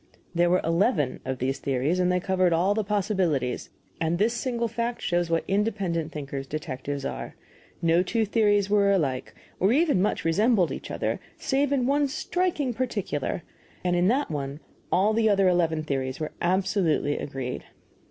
There were eleven of these theories, and they covered all the possibilities; and this single fact shows what independent thinkers detectives are. No two theories were alike, or even much resembled each other, save in one striking particular, and in that one all the other eleven theories were absolutely agreed.